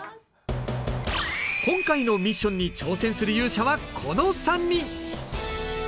今回ミッションに挑戦する勇者はこの３人。